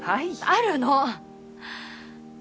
あるの！